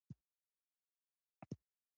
سپورټ د صحت له پاره غوره تفکیک دئ.